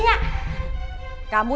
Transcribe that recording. nanti aku jalan